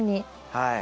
はい。